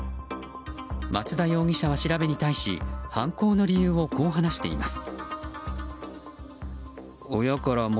松田容疑者は調べに対し犯行の理由をこう話しています。